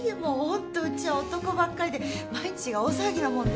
ホントうちは男ばっかりで毎日が大騒ぎなもんで。